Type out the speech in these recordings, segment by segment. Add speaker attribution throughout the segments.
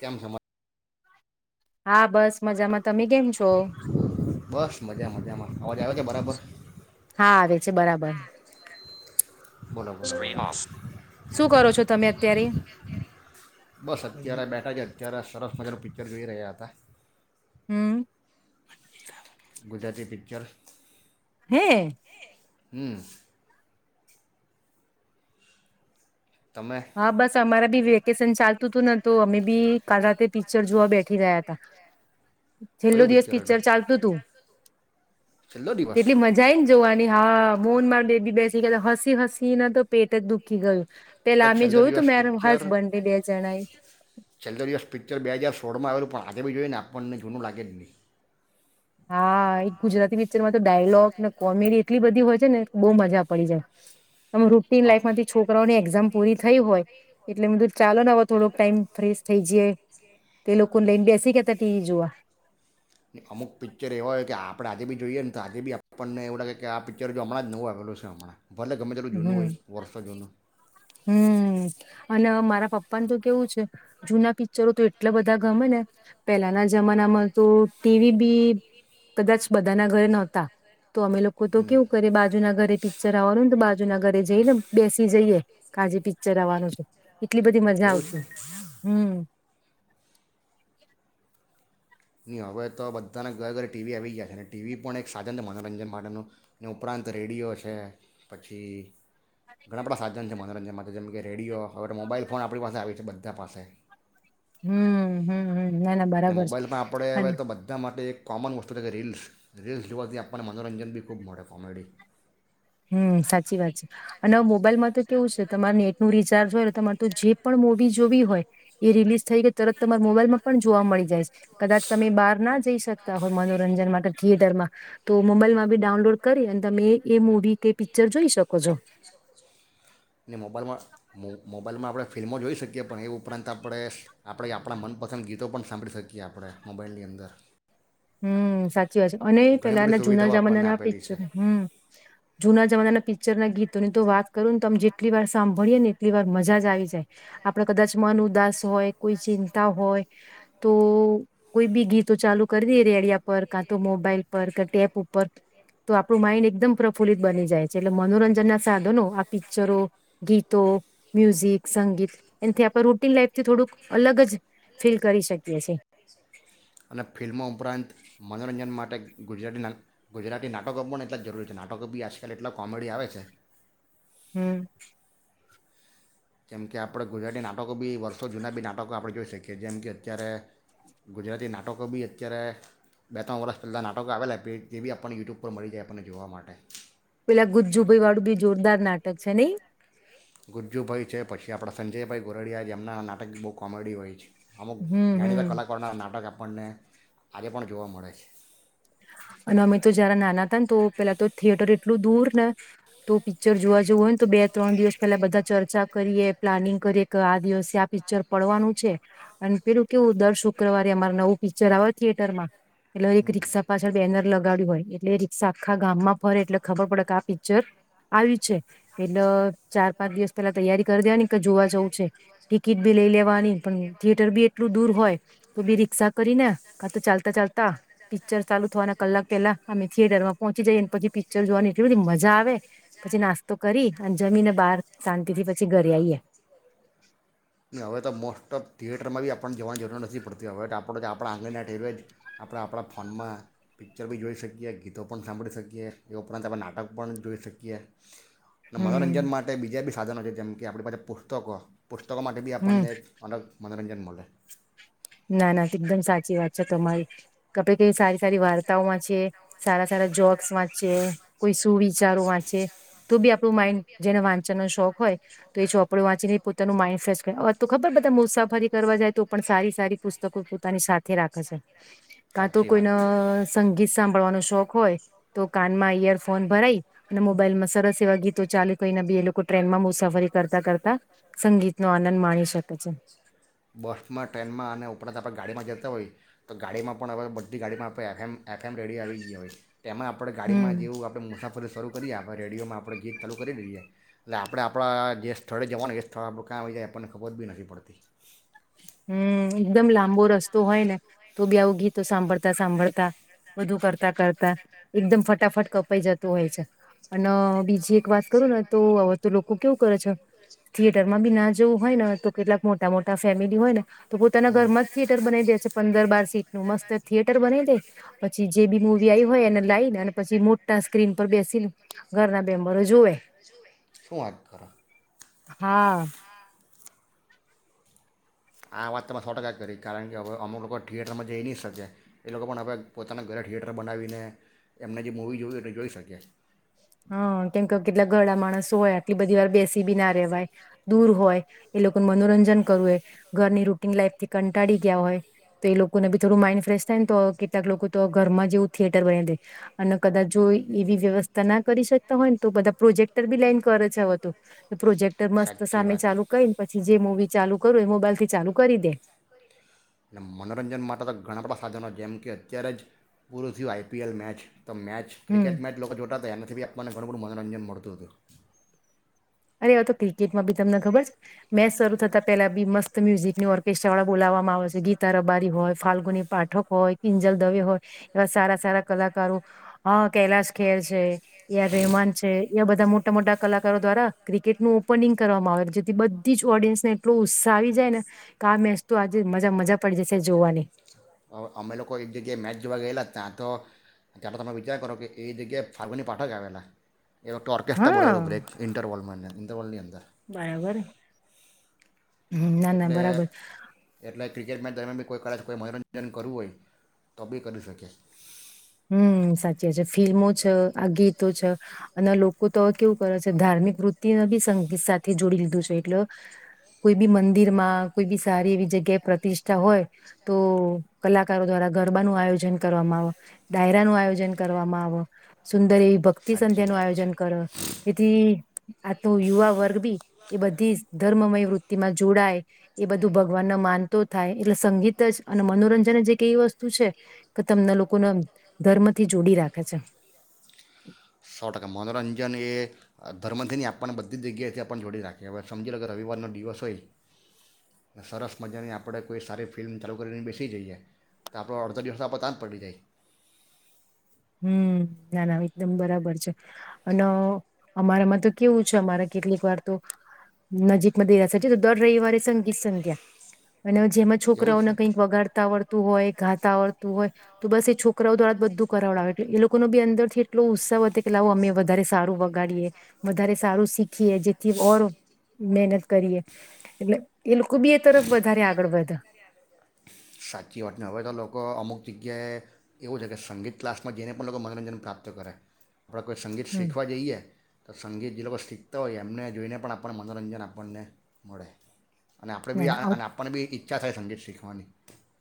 Speaker 1: કેમ છે મજ
Speaker 2: હા બસ મજામાં તમે કેમ છો.
Speaker 1: બસ મજા મજામાં અવાજ આવે છે બરાબર
Speaker 2: હા આવે છે બરાબર
Speaker 1: બોલો મુ સ્ક્રીન ઓફ
Speaker 2: શું કરો છો તમે અત્યારે
Speaker 1: તરફ મજાનુ પિચર જોઈ રહ્યા હતા.
Speaker 2: હમ
Speaker 1: ગુજરાતી પિક્ચરસ
Speaker 2: હે
Speaker 1: હમ તમે
Speaker 2: હા બસ અમારા બી વેકેશન ચાલતું હતું ને તો અમે બી કાલ રાતે ચર જોવા બેઠ થી ગયા તા છેલ્લો
Speaker 1: કયું
Speaker 2: દિવસ
Speaker 1: હતું
Speaker 2: પિક્ચર ચાલતું તું
Speaker 1: છેલ્લો દિવસ
Speaker 2: તેટલી મજા આઈ ને જોવાની હા મોન માર બેબી બેસી ગેલા હસી હસી ઈ ના તો પેટ જ દુઃખી ગયું.
Speaker 1: અરે
Speaker 2: પેલા અમે
Speaker 1: છેલ્લો
Speaker 2: જોયું તું
Speaker 1: દિવસ
Speaker 2: મેં
Speaker 1: પિચર
Speaker 2: હસબન્ડ ને બે જણાએ
Speaker 1: છેલ્લો દિવસ પિચર બે હાજાર સોળમાં આવેલું પણ આજે બી જોઈએ ને આપણને જૂનું લાગે જ નહીં
Speaker 2: હા એક ગુજરાતી પિક્ચરમાં તો ડાયલોગને કોમેડી એટલી બધી હોય છે ને બહુ મજા પડી જાય તમે રુટિન
Speaker 1: આમ
Speaker 2: લાઈફમાંથી છોકરાઓની એક્ઝામ પૂરી થયું હોય, એટલેધું ચાલો ને હ થોડોક ટાઈમ ફ્રેશ થઈ જઈ તે લોકો લઈને બેસી ગતા ટીવી જોવા
Speaker 1: ને અમુક પિક્ચર એવા હોય કે આપણે આજે બી જોઈએ ને તો આજે બી આપણને એવું લાગે કે આ પિક્ચર જો હણાં જ નવું આવેલું છે, હણાં ભલે ગમે તેલ્લું ઝૂનું હો
Speaker 2: હમ
Speaker 1: વર્ષો જૂનું
Speaker 2: હમ અને મારા પપ્પાનું તો કેવું છે, જૂના પિક્ચરો તો એટલા બધા ગમે ને પેલાના જમાનામાં તો ટીવી બી કદાચ બધાના ઘરે નહોતા તો અમે લોકો તો કેવું કરે બાજુ ના ઘરે પ જરા અરંદ બાજુના ઘરે જઈ ને બેસી જઈએે, કાજી પિક્ચર આવવાનું છે, એટલી બધી મજા
Speaker 1: એવું છે
Speaker 2: આવતી હમ્મ
Speaker 1: નહીં હવે તો બધાના ઘરે ઘરે ટીવી આવી ગયા છે, ટીવી પણ એક સાધન છે મનોરંજન માટેનું ઉપરાંત રેડિયો છે પછી ઘણા બધા સાધન છે, મનોરંજન માટે જેમ કે રેડિયો હવે તો મોબાઈલ ફોન આપણી પાસે આવી છે, બધા પાસે
Speaker 2: હમ્મ હમ્મ હમ્મ
Speaker 1: મોબાઈલ પણ આપણે હ તો બધા માટે એક કોમન વસ્તુ છે કે રીલ્સ રીલ્સ જોવાથી આપણને મનોરંજન બી ખૂબ મળે કોમેડી
Speaker 2: હમ્મ સાચી વાત છે, અને મોબાઈલમાં તો કેવું છે તમારે નેટ નું રિચાર્જ હોય, તમારે તો જે પણ મુવી જોવી હોય એ રિલીઝ થઈ કે તરત તમારા મોબાઈલમાં પણ જોવા મળી જાય છે, કદાચ તમે બહાર ના જ જઈ શકતા હોય મનોરંજન માટે થિયેટરમાં તો મોબાઈલમાં બી ડાઉનલોડ કરી અને તમે એ મુવી કે પિક્ચર જોઈ શકો છો,
Speaker 1: ને મોબાઈલમાં મો મોબાઈલમાં આપણે ફિલ્મો જોઈ શકીએ પણ એ ઉપરાંત આપણે આપણે આપણાં મનપસંદ ગીતો પણ સાંભળી શકીએ આપણે મોબાઈલની અંદર
Speaker 2: હમ્મ સાચ અને
Speaker 1: ઘણી બધી
Speaker 2: પેલાના જૂના
Speaker 1: સુવિધાઓ આપણને
Speaker 2: જમાનાના
Speaker 1: આપેલી છે
Speaker 2: પિક્ચર હમ્મ જૂના જમાનાના પિક્ચર ના ગીત તોની તો વાત કરું ને તોમે જેટલી વાર સાંભળીએે ને એટલી વાર મજા આવી જાય આપડે કદાચ મન ઉદાસ હોય, કોઈ ચિંતા હોય, તો કોઈ બી ગીતો ચાલુ કરી રેડિયા પર કા તો મોબાઈલ પર ટેપ ઉપર તો આપણું માઈન્ડ એકદમ પ્રફુલિત બની જાય છે, એટલે મનોરંજન ના સાધનો આ પિક્ચરો ગીતો મ્યુઝિક સંગીત એથી આપણે લાઈફથી થોડુંક અલગ જ ફીલ કરી શકીએી,
Speaker 1: અને ફિલ્મો ઉપરાંત મનોરંજન માટે ગુજરાતી ગુજરાતી નાટકો પણ એટલા જરૂરી છે, નાટકો બી આજકાલ એટલા કોમેડી આવે છે,
Speaker 2: હમ્મ
Speaker 1: જેમ કે આપણે ગુજરાતી નાટકો બી વર્ષો જૂના બી નાટકો આપણે જોઈ શકીએ, જેમ કે અત્યારે ગુજરાતી નાટકો બી અત્યારે બે ત્રણ વર્ષ પહેલાં નાટકો આવેલા જે બી આપણને યુટ્યુબ પર મળી જાય આપણને જોવા માટે
Speaker 2: પેલા ગુજ્જુભાઈ વાળું બી જોરદાર નાટક છે, નઈ
Speaker 1: ગુજ્જુભાઈ છે પછી આપણા સંજયભાઈ ગોરડીયા જેમના નાટક બહુ કોમેડી હોય છે, અમુક
Speaker 2: હમ હમ
Speaker 1: જાણીતા કલાકારોના નાટક આપણને આજે પણ જોવા મળે છે,
Speaker 2: અને અમે તો જરા નાના હતા ને તો પેલા તો થિયેટર એટલું દૂર ને તો પિક્ચર જોવા જેવું હોય, ને તો બે ત્રણ દિવસ પેલા બધા ચર્ચા કરીએ પ્લાનિંગ કરીએ કે આ દિવસ આ પિક્ચર પડવાનું છે, અને પેલું કેવું દર શુક્રવારે અમાર નવું પિક્ચર આવે થિયેટરમાં હેલો એક રિક્ષા પેનર લગાવડ્યું હોય એટલે એ રી્ષા આખા ગામમાં ફરે એટલે ખબર પડે કે આ પિક્ચર આવ્યું છે, એટલે ચાર પાંચ દિવસ પેલા તૈયારી કરી દેવાની જોવા જવું છે, ટિકિટ બી લઈ લેવાની પણ થિયેટર બી એટલું દૂર હોય તો બી રિક્ક્ષા કરીને કા તો ચાલતા ચાલતા પિક્ચર ચાલુ થવાના કલાક પેલા અમે થિયેટર માં પહોંચી જઈએ અને પછી પિક્ચર જોવાની એટલી બધી મજા આવે પછી નાસ્તો કરી અને જમીને બહાર શાંતિ થી પછી ઘરે આવીઈએ
Speaker 1: ને હવે તો મોસ્ટ ઓફ થિયેટરમાં બી આપણ જવાની જરૂર નથી પડતી હવે આપણો આપણા આંગળીના ટેવે જ આપણે આપણા ફોનમાં પિક્ચર બી જોઈ શકીએ ગીતો પણ સાંભળી શકીએ એ ઉપરાંત આપણે નાટક પણ જોઈ શકીએ
Speaker 2: હમ
Speaker 1: મનોરંજન માટે બીજા બે સાધનો છે જેમ કે આપણી પાસે પુસ્તકો પુતકો માટે બી
Speaker 2: હમ
Speaker 1: આપણને અનેલગ મનોરંજન મલે
Speaker 2: ના ના એકદમ સાચી વાત છે તમારી કપ ક સારી સારી વાર્તાઓ વાંચ છે સારા સારા જોક્સ વાંચે કોઈ સુવિચારો વાંચે તો બી આપણું માઇન્ડ જેને વાંચવાનો શોખ હોય તો એ ચોપડો વાંચીને પોતાનું માઇન્ડ ફેશ કરે તો ખબર પ મુસાફરી કરવા જાય તો પણ સારી સારી પુસ્તકો પોતાની સાથે રાખે છે કા તો
Speaker 1: સાચી વાત
Speaker 2: કોઈને સંગીત સાંભળવાનો શોખ હોય તો કાનમાં ઈયરફોન ભરાઈ અને મોબાઈલમાં સરસ એવા ગીતો ચાલુ કરીને બી એ લોકો ટ્રેનમાં મુસાફરી કરતા કરતા સંગીત નો આનંદ માણી શકે છે
Speaker 1: આપણા તો આપણે ગાડીમાં જતા હોય તો ગાડીમાં પણ હવે બધ ગાડીમાં આપણે એમ એફ એમ રેડી આવી ગઈ ભાઈ તેમાં આપણે
Speaker 2: હમ
Speaker 1: ગાડીમાં જેવું આપણે મુસાફરી શરૂ કરીએ આપ હવે રેડિયોમાં આપણે ગીત ચાલુ કરી દઈએ એટલે આપણે આપણા જે સ્થળે જવાનું એ સ્થળ આપણે કં આવી જાય એ પણ ખબર બી નથી પડતી
Speaker 2: હમ એકદમ લાંબો રસ્તો હોય ને તો બી આવ ગીતો સાંભળતા સાંભળતા બધું કરતા કરતા એકદમ ફટાફટ કપાઈ જતુ હોય છે અને બીજી એક વાત કરું ને તો હવે તો લોકો કેવું કરે છે થિયેટર માં બી ના જોવું હોય ને તો કેટલાક મોટા મોટા ફેમિલી
Speaker 1: હમ
Speaker 2: હોય ને તો પોતાના ઘરમાં જ થિયેટર બનાવી દે છે પંદર બાર સીટ મસ્ત થિયેટર બની દે પછી જે બી મુવી આવી હોય એને લઈને અને પછી મોટા સ્ક્રીન પર બેસીને ઘરના બેમ્બરો જોવે
Speaker 1: શું વાત કરો
Speaker 2: હા
Speaker 1: આ વાત તમે સો ટકા જ કરી કારણ કે હવે અમુક લોકો થિયેટરમાં જઈ નહીં શકે એ લોકો પણ હવે પોતાના ઘરે થિયેટર બનાવીને એમને જે મૂવી જોવી જોઈ શકે
Speaker 2: હા કેમ કે કેટલાક ઘરડા માણસો હોય આટલી બધી વાર બેસી બી ના રવાય દૂર હોય એ લોકોનું મનોરંજન કરવું હોય ઘરની રૂટીન લાઈફ થી કંટાળી ગયા હોય તો એ લોકોને બી થોડું માઈન્ડ ફ્રેશ થાય ને તો કેટલાક લોકો તો ઘરમાં જ એવું થિયેટર બની દે અને કદાચ જો એવી વ્યવસ્થા ના કરી શકતા હોય ને તો બધા પ્રોજેક્ટર બી લઈન કરે છે વધુ પ્રોજેક્ટ મસ્ત
Speaker 1: સાચી
Speaker 2: સામે
Speaker 1: વાત
Speaker 2: ચાલુ કરીને પછી જે મુવી ચાલુ કરું એ મોબાઈલ થી ચાલુ કરી દે
Speaker 1: અને મનોરંજન માટે તો ઘણા બધા સાધનો જેમ કે અત્યારે જ પૂરું થયુ આઈપીએલ મેચ તો મેચ
Speaker 2: હમ
Speaker 1: ક્રિકેટ મેચ લોકો જોતા હતા એને કવી આપમાને ઘણું બધું મનોરંજન મળતું હતું
Speaker 2: અરે એવ તો ક્રિકેટ માં બી તમને ખબર છે મેં સર થતાં પેલા બી મસ્ત મ્યુઝિક ની ઓર્કેસ્ટ્રા વાળા બોલાવવામાં આવે છે ગીતા રબારી હોય ફાલ્ગુની પાઠક હોય કિંજલ દવે હોય એવા સારા સારા કલાકારો હ કૈલાશ ખેર છે યા રેમાન છે એ બધા મોટા મોટા કલાકારો દ્વારા ક્રિકેટનું ઓપનિંગ કરવામાં આવે જેથી બધી જ ઓડિયન્સનુ એટલો ઉત્સાહી જે ને આ મેચ તો આજે મજા મજા પડી જશે જોવાની.
Speaker 1: અમે લોકો એક જગ્યાએ મેચ જોવા ગયેલા ત્યાં તો ત્યારે તમે વિચાર કરો કે એ જગ્યાએ ફાલ્ગુની પાઠક આવેલા. એવો તોર્કેસ્ટ્ર
Speaker 2: હા
Speaker 1: બોલાવેલું બ્રેક ઇન્ટરવલમાને ઇન્ટરવલની અંદર
Speaker 2: બરાબર. હું ના ના
Speaker 1: એટલે
Speaker 2: બરાબર.
Speaker 1: એટલે ક્રિકેટ મેચ દરમિયાન બી કોઈ કદાચ કોઈ મનોરંજન કરવું હોય તો બી કરી શકીયે છે.
Speaker 2: હમ્મ, સાચી વાત છે. ફિલ્મો છે આ ગીતો છે અને લોકો તો કેવું કરે છે ધાર્મિક વૃત્તિ બી સંગીત સાથે જોડી લીધું છે એટલે કોઈ બી મંદિર માં કોઈ બી સારી એવી જગ્યાએ પ્રતિષ્ઠા હોય તો કલાકારો દ્વારા ગરબાનું આયોજન કરવામાં આવે. ડાયરા નું આયોજન કરવામાં આવ સુંદરી ભક્તિ
Speaker 1: સાચી
Speaker 2: સંધ્યા નું
Speaker 1: વાત
Speaker 2: આયોજન કર
Speaker 1: છે
Speaker 2: એથી આ તો યુવા વર્ગ બી એ બધી ધર્મમય વૃત્તિમાં જોડાય એ બધું ભગવાન ન માનતો થાય એટલે સંગીત જ અને મનોરંજન જે કેવી વસ્તુ છે કે તમને લોકો ધર્મ થી જોડી રાખે છે.
Speaker 1: સો ટકા મનોરંજન એ ધર્મથી નહી આપણને બધી જ જગ્યાએથી આપણ જોડી નાખીએ હવે સમજી લો કે રવિવારનો દિવસ હોય સરસ મજાની આપણે કોઈ સારી ફિલ્મ ચાલુ કરીને બેસી જઈએ તો આપણો અડધો દિવસ આપ ત જ પડી જાય.
Speaker 2: હમ્મ ના ના એકદમ બરાબર છે અન અમારામાં તો કેવું છે અમારે કેટલીક વાર તો નજીકમાં દઈરા છે તો દર રવિવારે સંગીત સંધ્યા. અને જેમાં
Speaker 1: એવું
Speaker 2: છોકરાઓને
Speaker 1: છે
Speaker 2: કંઈક વગાડતા આવડતું હોય. ઘાતા આવડતું હોય તો બસ એ છોકરાઓ દોરા બધું કરાવડ એ લોકોનો બી અંદરથી એટલો ઉત્સાહ હતો કે લાવો અમે વધારે સારું વગાડીએ વધારે સારું શીખીએ જેથી ઓર મહેનત કરીએ એટલે એ લોકો બી એ તરફ વધારે આગળ વધ.
Speaker 1: સાચી વાત ને હવે તો લોકો અમુક જગ્યાએ એવું જ કે સંગીત ક્લાસમાં જઈને પણ લોકો મનોરંજન પ્રાપ્ત કરે. આપણા કોઈ સંગીત
Speaker 2: હમ
Speaker 1: શીખવા જઈએ તો સંગીત જે લોકો શીખતા હોય એમને જોઈને પણ આપણ મનોરંજન આપણને મળે. અને આપણે બી
Speaker 2: ના
Speaker 1: આ
Speaker 2: ના
Speaker 1: અને આપણને બી ઈછા થાય સંગીત શીખવાની.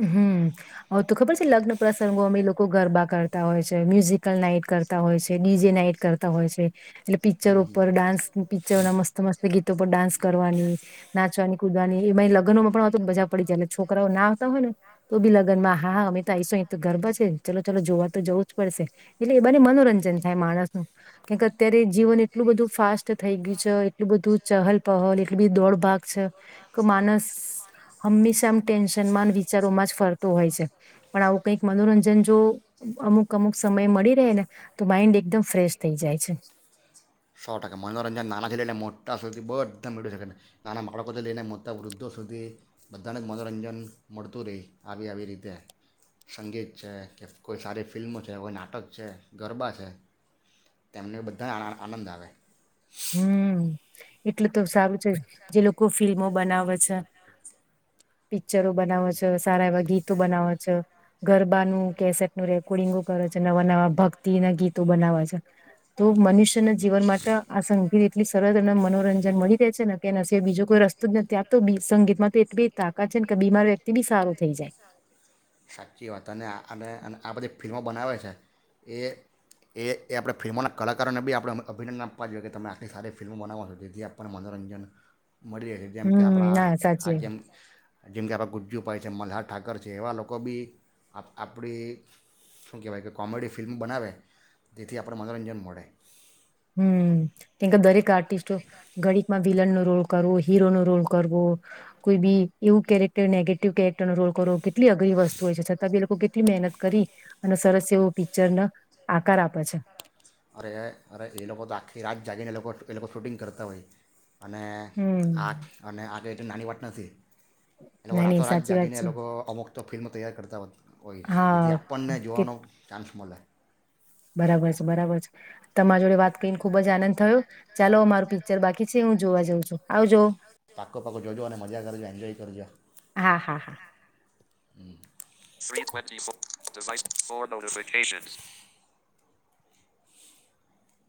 Speaker 2: હમ્મ હ તો ખબર છે લગ્ન પ્રસંગો અમે એ લોકો ગરબા કરતા હોય છે મ્યુઝિકલ નાઈટ કરતા હોય છે ડીજે નાઈટ કરતા હોય છે. એટલે પિચ્ચરો ઉપર ડાન્સ નું પિચ્ચર ના મસ્ત મસ્ત ગી તો ડાન્સ કરવાની નાચવાની કુદવાની એમાં લગ્નોમાં પણ તો મજા પડી જાય છોકરાઓ ના હોય ને તો બી લગન માં હા હા અમિતા આઈશો તો ગરબ છે ચલો ચાલો જોવા તો જવું જ પડશે એટલે એ બને મનોરંજન થાય માણસ નું કેમ અત્યારે જીવન એટલું બધું ફાસ્ટ થઈ ગયું છે. એટલ બધું ચહલ પહલ એટલી બધ દોડ ભાગ છે કે માનસ હંમેશા આમ ટેન્શન સમાન વિચારોમાં જ ફરતો હોય છે પણ આવું કક મનોરંજન જો અમુક અમુક સમય મળી રહે ને તો માઈન્ડ એકદમ ફ્રેશ થઈ જાય છે.
Speaker 1: સપ્્ટતા સુધી બધા મેળવી શકે નાના બાળકોથી લઈને મોટા વૃદ્ધો સુધી બધાને જ મનોરંજન મળતું રહી આવી આવી રીતે સંગીત છે કે કોઈ સારી ફિલ્મ છે કોઈ નાટક છે ગરબા છે તેમને બધાને આનંદ આવે.
Speaker 2: હમ્મ એટલું તો સારું છે જે લોકો ફિલ્મો બનાવે છે પિક્ચરો બનાવે છે સારા એવા ગીતો બનાવે છે ગરબાનું કેસેટ નું રેકોર્ડિંગો કરે છે નવા નવા ભક્તિ ના ગીતો બનાવે છે તો મનુષ્ય ના જીવન માટે સંગીત એટલી સરસ અને મનોરંજન મળી રહેે છેને કે બીજો કોઈ રસ્તો જ નથી આપતો સંગીતમાં તો એટલી તાકાત છે ને કે બીમાર વ્યક્તિ બી સારો થઈ જાય.
Speaker 1: સાચી વાત અને આ અને અને આ બધી ફિલ્મો બનાવે છે એ એ એ આપણે ફિલ્મોના કલાકારોને બી આપણે અભિનંદન આપવા જોઈએ કે તમે આખલી સારી ફિલ્મો બનાવો છો જેથી આપણને મનોરંજન મળી રહે છે જેમ કે
Speaker 2: હમ
Speaker 1: આપણા
Speaker 2: ના સાચે
Speaker 1: આ જેમ જેમ કે આપણા ગુજ્જુભાઈ છે મલ્હાર ઠાકર છે એવા લોકો બી આપણી શું કહેવાય કે કોમેડી ફિલ્મ બનાવે તેથી આપણ મનોરંજન મળે
Speaker 2: હમ કેમ કે દરેક આર્ટિસ્ટો ગણિતમાં વિલન નો રોલ કરવો હીરો નો રોલ કરવો કોઈ બી એવું કેરેક્ટર નેગેટિવ કેરેક્ટર નો રોલ કરવો કેટલી અઘરી વસ્તુ હોય છે છતાં બી લોકો કેટલી મહેનત કરી અને સરસ એવો પિક્ચરને આકાર આપે છે.
Speaker 1: અરે અરે એ લોકો તો આખી રાત જાગીને એ લોકો એ લોકો શૂટિંગ કરતા હોય. અને
Speaker 2: હમ
Speaker 1: આગ અને આગે એ નાની વાત નથી. એ લોકો
Speaker 2: ના નહી
Speaker 1: રાતોરાત
Speaker 2: સાચી વાત
Speaker 1: જાગીને એ
Speaker 2: છે
Speaker 1: લોકો અમુક તો ફિલ્મ તૈયાર કરતા હોત. હોય જેથી
Speaker 2: હા
Speaker 1: આપણને
Speaker 2: કે
Speaker 1: જોવાનો ચાન્સ મળે.
Speaker 2: બરાબર છે બરાબર છે તમારા જોડે વાત કરીને ખુબ જ આનંદ થયો. ચાલો અર પિક્ચર બાકી છે. હું જોવા જઉ છું આવ જો.
Speaker 1: પાકો પાકો જોજો અને મજા કરજો એન્જોય કરજો.
Speaker 2: હા હા હા
Speaker 1: પ ફ થ